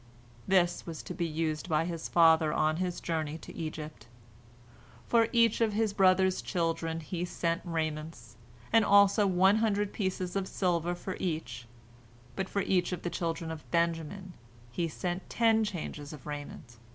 This was to be used by his father on his journey to Egypt. For each of his brothers' children, he sent raiments, and also one hundred pieces of silver for each, but for each of the children of Benjamin he sent ten changes of raiment.